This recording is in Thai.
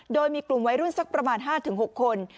โดยมีกลุ่มวัยรุ่นสักประมาณ๕๖คน